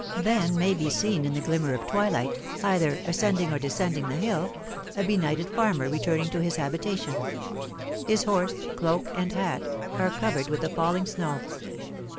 Then may be seen in the glimmer of twilight, either ascending or descending the hill, a benighted farmer returning to his habitation; his horse, cloak, and hat, are covered with the falling snow.